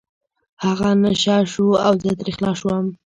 هغه نشه شو او زه ترې خلاص شوم.